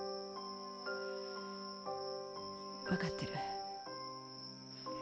わかってる。